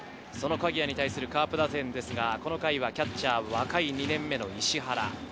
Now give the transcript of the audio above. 鍵谷に対するカープ打線ですが、この回はキャッチャー、若い２年目の石原。